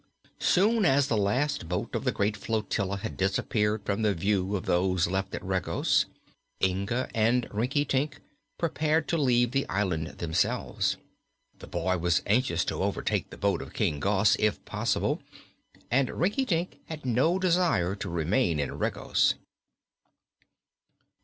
Soon as the last boat of the great flotilla had disappeared from the view of those left at Regos, Inga and Rinkitink prepared to leave the island themselves. The boy was anxious to overtake the boat of King Gos, if possible, and Rinkitink had no desire to remain in Regos.